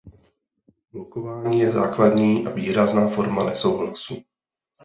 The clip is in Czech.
Blokování je základní a výrazná forma nesouhlasu.